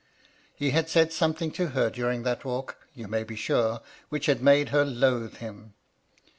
He had said some thing to her during that walk, you may be sure, which had made her loathe him.